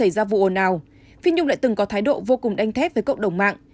sau vụ ồn ào phi nhung lại từng có thái độ vô cùng đánh thét với cộng đồng mạng